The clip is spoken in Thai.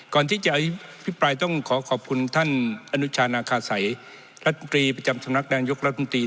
อภิปรายต้องขอขอบคุณท่านอนุชานาคาสัยรัฐมนตรีประจำสำนักนายกรัฐมนตรี